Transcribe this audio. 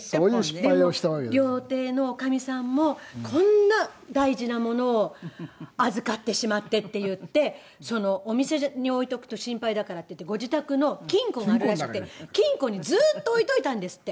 でも料亭の女将さんもこんな大事なものを預かってしまってって言ってお店に置いておくと心配だからって言ってご自宅の金庫があるらしくて金庫にずっと置いておいたんですって。